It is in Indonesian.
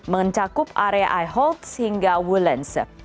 mencakup area eyholtz hingga wollensee